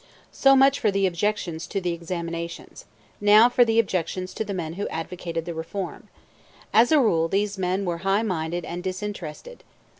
So much for the objections to the examinations. Now for the objections to the men who advocated the reform. As a rule these men were high minded and disinterested.